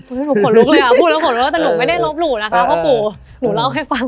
อุ้ยหนูขนลุกเลยอะแต่หนูไม่ได้รบหลู่นะคะเพราะกูหนูเล่าให้ฟัง